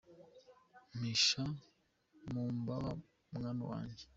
Mpisha mumbaba mwami wanjye.